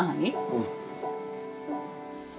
うん。